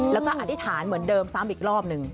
แล้วก็อธิษฐานเหมือนเดิมซ้ำอีกรอบหนึ่ง